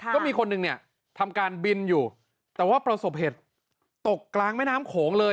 ก็มีคนหนึ่งเนี่ยทำการบินอยู่แต่ว่าประสบเหตุตกกลางแม่น้ำโขงเลย